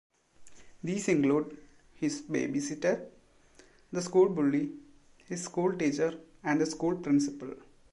These include his babysitter, the school bully, his school teacher and the school principal.